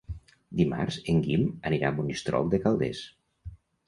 Dimarts en Guim anirà a Monistrol de Calders.